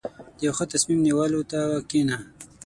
• د یو ښه تصمیم نیولو ته کښېنه.